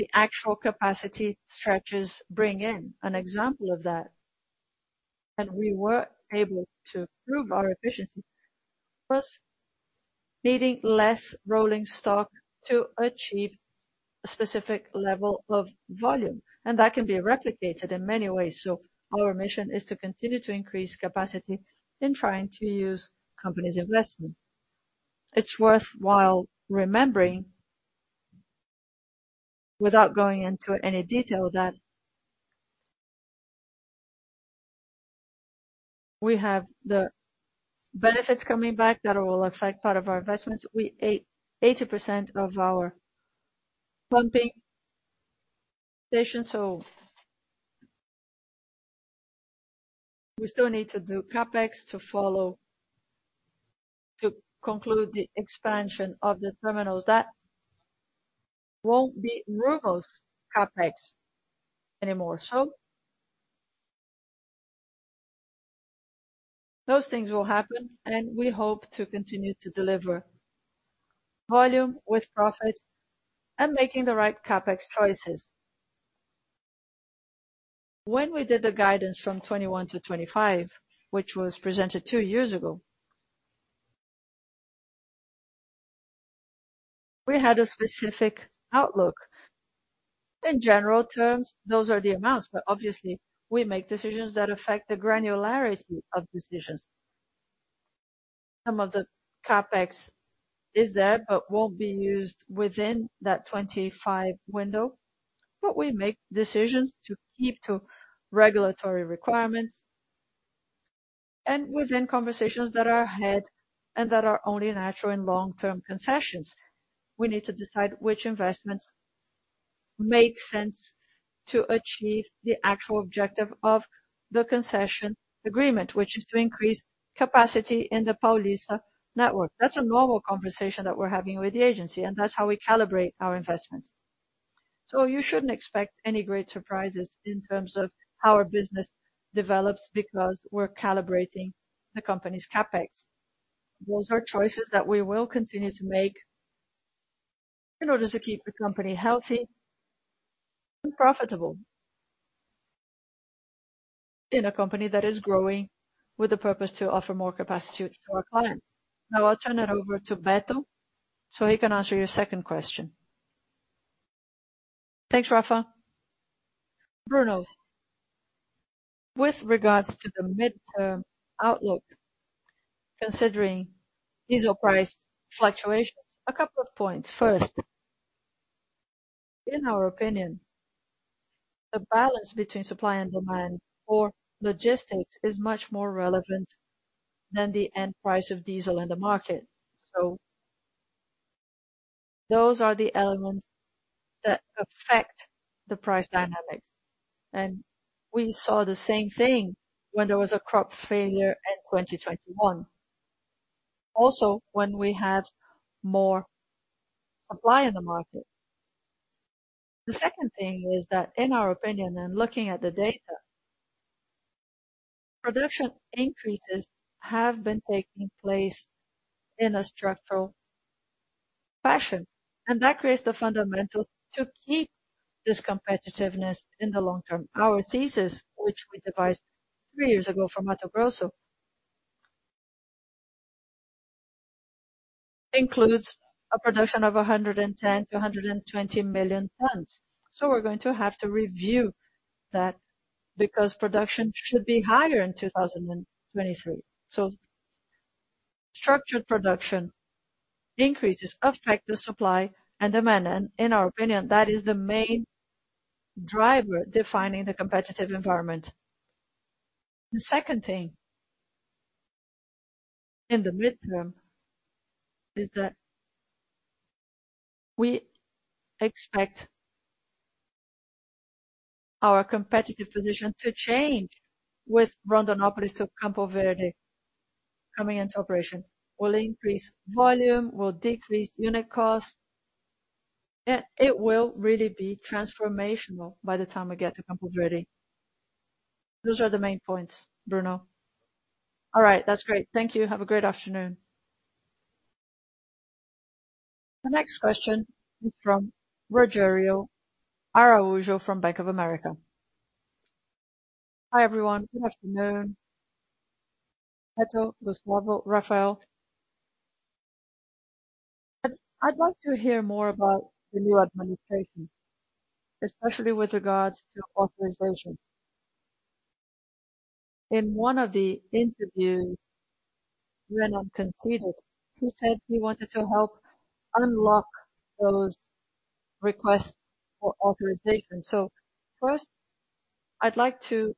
the actual capacity stretches bring in an example of that, and we were able to prove our efficiency plus needing less rolling stock to achieve a specific level of volume. That can be replicated in many ways. Our mission is to continue to increase capacity in trying to use company's investment. It's worthwhile remembering, without going into any detail, that we have the benefits coming back that will affect part of our investments. Eighty percent of our pumping station, we still need to do CapEx to conclude the expansion of the terminals. That won't be Rumo's CapEx anymore. Those things will happen, and we hope to continue to deliver volume with profit and making the right CapEx choices. When we did the guidance from 21 to 25, which was presented two years ago, we had a specific outlook. In general terms, those are the amounts, obviously we make decisions that affect the granularity of decisions. Some of the CapEx is there but won't be used within that 25 window. We make decisions to keep to regulatory requirements and within conversations that are ahead and that are only natural and long-term concessions. We need to decide which investments make sense to achieve the actual objective of the concession agreement, which is to increase capacity in the Paulista network. That's a normal conversation that we're having with the agency, and that's how we calibrate our investments. You shouldn't expect any great surprises in terms of how our business develops because we're calibrating the company's CapEx. Those are choices that we will continue to make in order to keep the company healthy and profitable. In a company that is growing with a purpose to offer more capacity to our clients. I'll turn it over to Beto, so he can answer your second question. Thanks, Rafa. Bruno, with regards to the midterm outlook, considering diesel price fluctuations, a couple of points. First, in our opinion, the balance between supply and demand or logistics is much more relevant than the end price of diesel in the market. Those are the elements that affect the price dynamics. We saw the same thing when there was a crop failure in 2021. When we have more supply in the market. The second thing is that in our opinion, and looking at the data, production increases have been taking place in a structural fashion, and that creates the fundamental to keep this competitiveness in the long term. Our thesis, which we devised three years ago for Mato Grosso, includes a production of 110 million to 120 million tons. We're going to have to review that because production should be higher in 2023. Structured production increases affect the supply and demand, and in our opinion, that is the main driver defining the competitive environment. The second thing in the midterm is that we expect our competitive position to change with Rondonópolis to Campo Verde coming into operation. We'll increase volume, we'll decrease unit cost, and it will really be transformational by the time we get to Campo Verde. Those are the main points, Bruno. All right. That's great. Thank you. Have a great afternoon. The next question is from Rogério Araújo from Bank of America. Hi, everyone. Good afternoon. Beto, Gustavo, Rafael. I'd like to hear more about the new administration, especially with regards to authorization. In one of the interviews, Renan Filho conceded, he said he wanted to help unlock those requests for authorization. First, I'd like to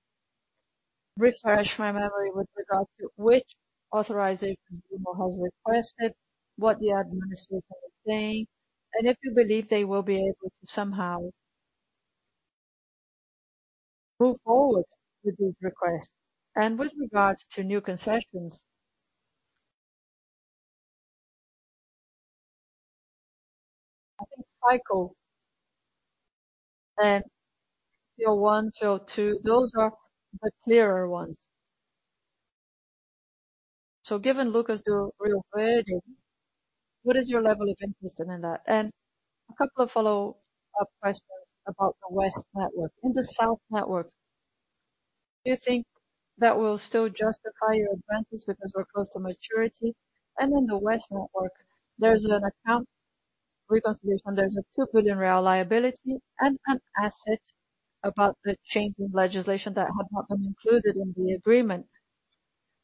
refresh my memory with regards to which authorization Rumo has requested, what the administrator is saying, and if you believe they will be able to somehow move forward with this request. With regards to new concessions. I think FIOL 1, FIOL 2, those are the clearer ones. Given Lucas do Rio Verde, what is your level of interest in that? A couple of follow-up questions about the West network. In the South network, do you think that will still justify your advantage because we're close to maturity? In the West network, there's an account reconciliation. There's a 2 billion real liability and an asset about the change in legislation that had not been included in the agreement.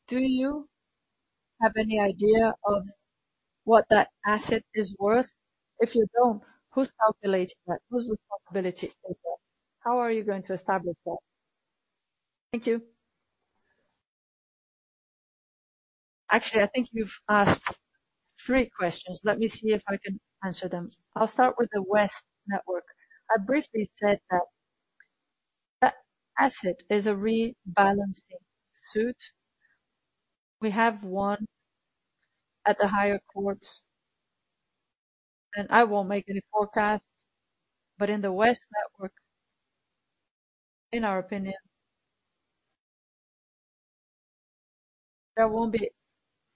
Do you have any idea of what that asset is worth? If you don't, who's calculating that? Whose responsibility is it? How are you going to establish that? Thank you. Actually, I think you've asked three questions. Let me see if I can answer them. I'll start with the west network. I briefly said that that asset is a rebalancing suit. We have one at the higher courts, and I won't make any forecasts. In the west network, in our opinion, there won't be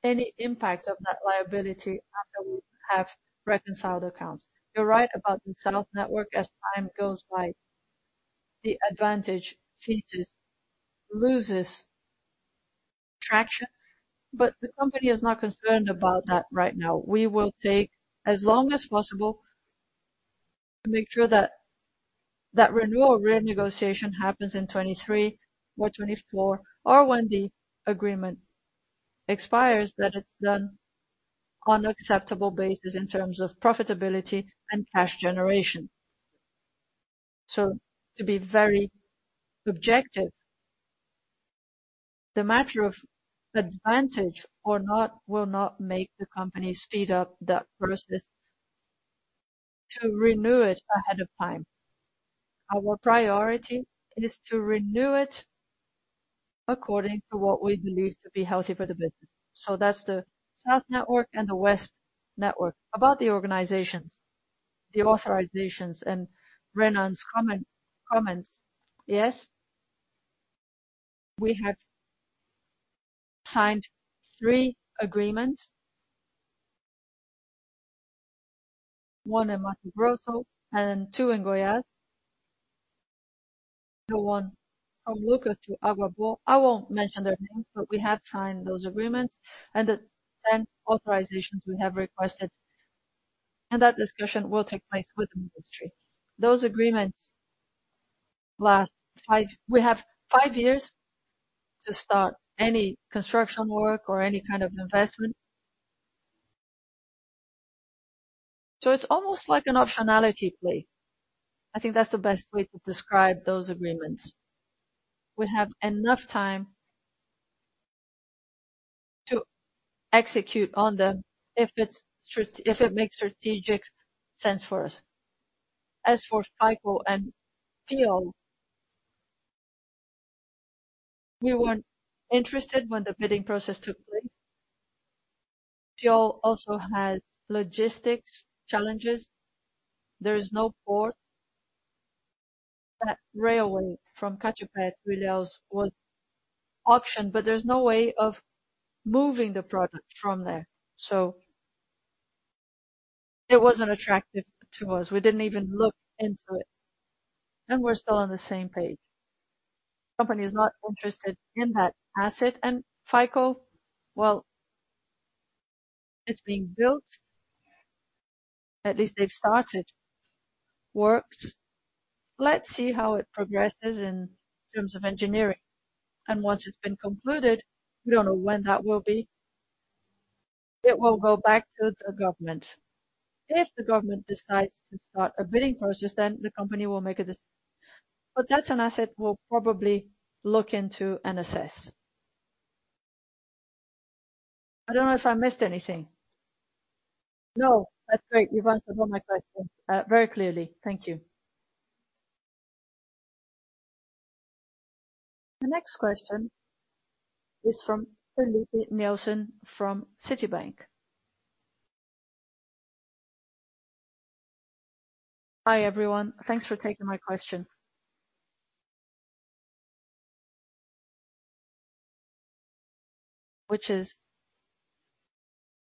any impact of that liability after we have reconciled accounts. You're right about the south network. As time goes by, the advantage ceases, loses traction. The company is not concerned about that right now. We will take as long as possible to make sure that that renewal renegotiation happens in 2023 or 2024, or when the agreement expires, that it's done on acceptable basis in terms of profitability and cash generation. To be very subjective, the matter of advantage or not will not make the company speed up that process to renew it according to what we believe to be healthy for the business. That's the South network and the West network. About the organizations, the authorizations and Renan's comments. Yes. We have signed three agreements. One in Mato Grosso and two in Goiás. The one of Lucas to Água Boa. I won't mention their names, but we have signed those agreements and the 10 authorizations we have requested. That discussion will take place with the Ministry of Transport. Those agreements we have 5 years to start any construction work or any kind of investment. It's almost like an optionality play. I think that's the best way to describe those agreements. We have enough time to execute on them if it makes strategic sense for us. For FIOL and FIOL, we weren't interested when the bidding process took place. FIOL also has logistics challenges. There is no port. That railway from Cachoeira was auctioned, but there's no way of moving the product from there. It wasn't attractive to us. We didn't even look into it. We're still on the same page. Company is not interested in that asset. FIOL, well, it's being built. At least they've started works. Let's see how it progresses in terms of engineering. Once it's been concluded, we don't know when that will be, it will go back to the government. If the government decides to start a bidding process, the company will make a deci. That's an asset we'll probably look into and assess. I don't know if I missed anything. No, that's great. You've answered all my questions, very clearly. Thank you. The next question is from Felipe Nielson from Citibank. Hi, everyone. Thanks for taking my question. Which is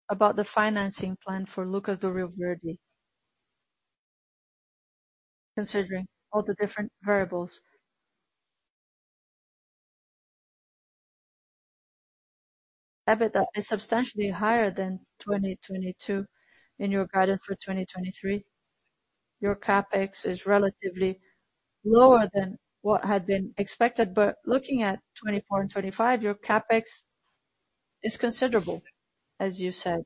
about the financing plan for Lucas do Rio Verde. Considering all the different variables. EBITDA is substantially higher than 2022 in your guidance for 2023. Your CapEx is relatively lower than what had been expected. Looking at 2024 and 2025, your CapEx is considerable, as you said.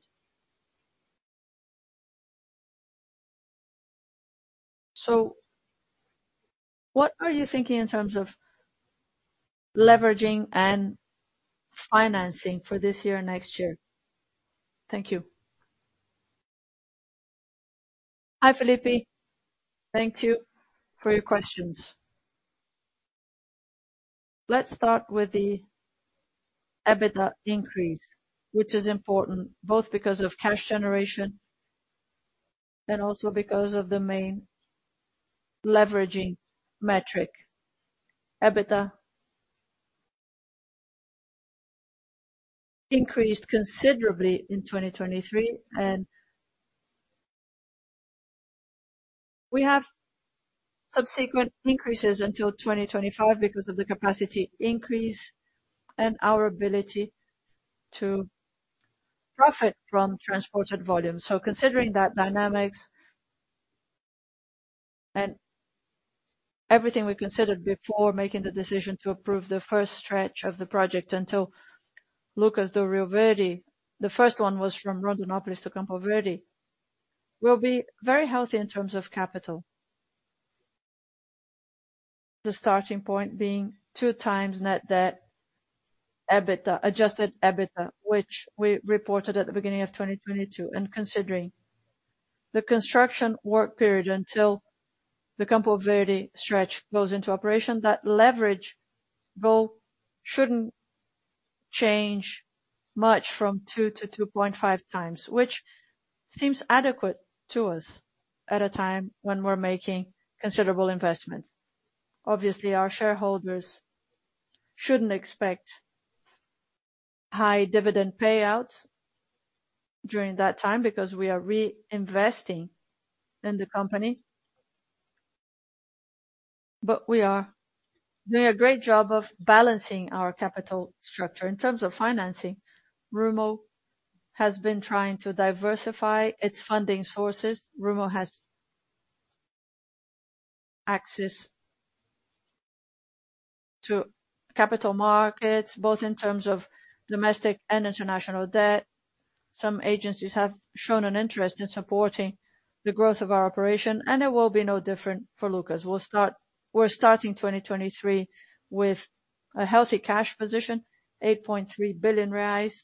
What are you thinking in terms of leveraging and financing for this year and next year? Thank you. Hi, Filipe. Thank you for your questions. Let's start with the EBITDA increase, which is important both because of cash generation and also because of the main leveraging metric. EBITDA increased considerably in 2023. We have subsequent increases until 2025 because of the capacity increase and our ability to profit from transported volume. Considering that dynamics and everything we considered before making the decision to approve the first stretch of the project until Lucas do Rio Verde, the first one was from Rondonópolis to Campo Verde, will be very healthy in terms of capital. The starting point being two times net debt EBITDA, adjusted EBITDA, which we reported at the beginning of 2022. Considering the construction work period until the Campo Verde stretch goes into operation, that leverage goal shouldn't change much from 2 to 2.5 times, which seems adequate to us at a time when we're making considerable investments. Obviously, our shareholders shouldn't expect high dividend payouts during that time because we are reinvesting in the company. We are doing a great job of balancing our capital structure. In terms of financing, Rumo has been trying to diversify its funding sources. Rumo has access to capital markets, both in terms of domestic and international debt. Some agencies have shown an interest in supporting the growth of our operation, and it will be no different for Lucas do Rio Verde. We're starting 2023 with a healthy cash position, 8.3 billion reais.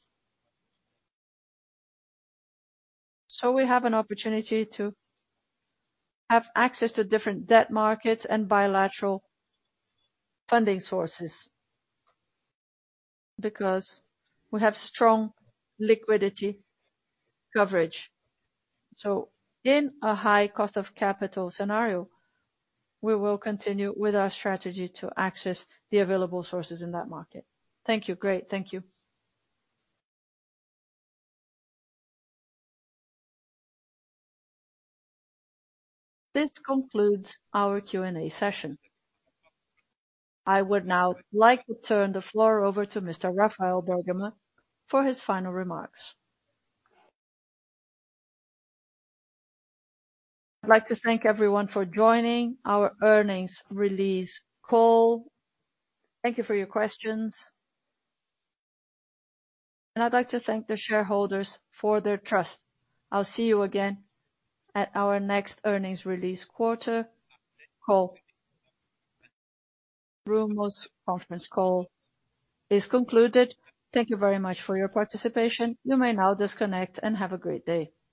We have an opportunity to have access to different debt markets and bilateral funding sources because we have strong liquidity coverage. In a high cost of capital scenario, we will continue with our strategy to access the available sources in that market. Thank you. Great. Thank you. This concludes our Q&A session. I would now like to turn the floor over to Mr. Rafael Guedes Bergamasco for his final remarks. I'd like to thank everyone for joining our earnings release call. Thank you for your questions. I'd like to thank the shareholders for their trust. I'll see you again at our next earnings release quarter call. Rumo's conference call is concluded. Thank you very much for your participation. You may now disconnect and have a great day.